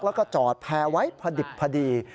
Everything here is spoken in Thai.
และก็จอดแพร่ไว้พระดิปฎี